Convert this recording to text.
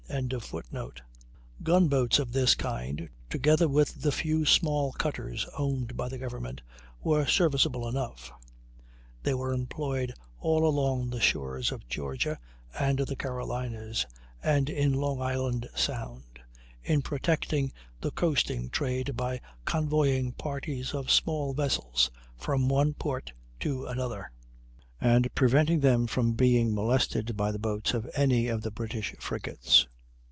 ] Gun boats of this kind, together with the few small cutters owned by the government, were serviceable enough. They were employed all along the shores of Georgia and the Carolinas, and in Long Island Sound, in protecting the coasting trade by convoying parties of small vessels from one port to another, and preventing them from being molested by the boats of any of the British frigates.